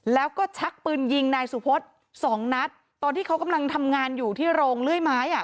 แล้วก็ชักปืนยิงนายสุพศสองนัดตอนที่เขากำลังทำงานอยู่ที่โรงเลื่อยไม้อ่ะ